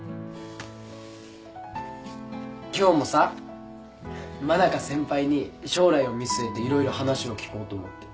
今日もさ真中先輩に将来を見据えて色々話を聞こうと思って。